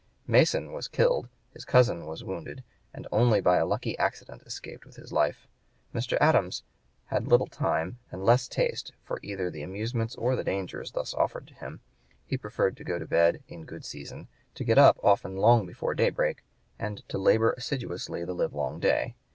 (p. 104) Mason was killed; his cousin was wounded, and only by a lucky accident escaped with his life. Mr. Adams had little time and less taste for either the amusements or the dangers thus offered to him; he preferred to go to bed in good season, to get up often long before daybreak, and to labor assiduously the livelong day.